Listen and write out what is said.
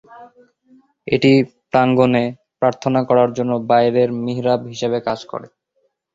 এটি প্রাঙ্গণে প্রার্থনা করার জন্য বাইরের মিহরাব হিসেবে কাজ করে।